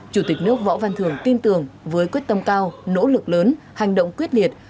chủ tịch nước võ văn thường tin tưởng với quyết tâm cao nỗ lực lớn hành động quyết liệt